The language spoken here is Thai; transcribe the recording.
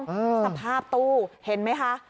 สภาพตู้เห็นไหมคะ